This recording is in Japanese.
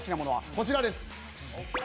こちらです。